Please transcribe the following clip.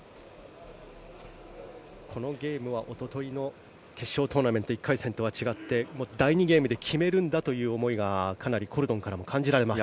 このゲームはおとといの決勝トーナメント１回戦とは違って第２ゲームで決めるんだという思いがかなりコルドンからも感じられます。